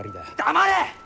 黙れ！